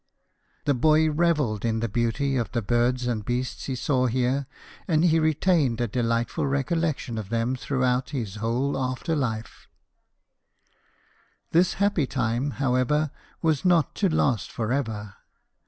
The boy revelled in the beauty of the birds and beasts he saw here, and he retained a delightful recol lection of them throughout his whole after life. THOMAS EDWARD, SHOEMAKER. 171 This happy time, however, was not to last for ever.